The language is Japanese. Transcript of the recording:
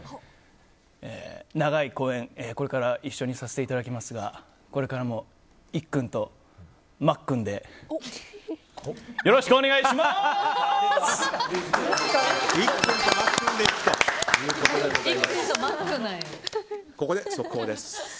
長い公演、これから一緒にさせていただきますがこれからもいっくんとまっくんでここで速報です。